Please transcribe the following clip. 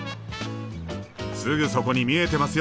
すぐそこに見えてますよ！